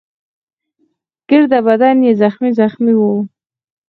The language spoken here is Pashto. ګرده بدن يې زخمي زخمي وو.